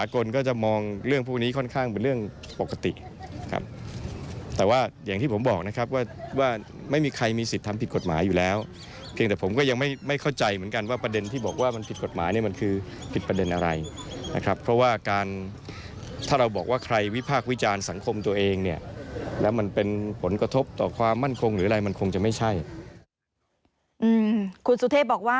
คุณพ่อคุณพ่อคุณพ่อคุณพ่อคุณพ่อคุณพ่อคุณพ่อคุณพ่อคุณพ่อคุณพ่อคุณพ่อคุณพ่อคุณพ่อคุณพ่อคุณพ่อคุณพ่อคุณพ่อคุณพ่อคุณพ่อคุณพ่อคุณพ่อคุณพ่อคุณพ่อคุณพ่อคุณพ่อคุณพ่อคุณพ่อคุณพ่อคุณพ่อคุณพ่อคุณพ่อคุณพ